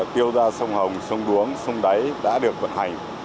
tiêu ra sông hồng sông đuống sông đáy đã được vận hành